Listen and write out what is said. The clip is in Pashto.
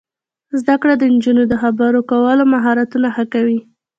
زده کړه د نجونو د خبرو کولو مهارتونه ښه کوي.